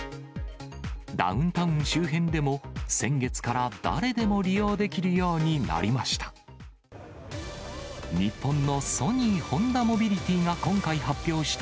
ダウンタウン周辺でも先月から誰でも利用できるようになりました。